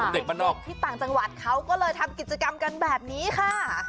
เด็กต่างจังหวัดเขาก็เลยทำกิจกรรมกันแบบนี้ค่ะ